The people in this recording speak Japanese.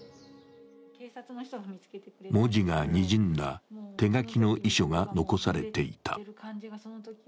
文字がにじんだ手書きの遺書が残されていた。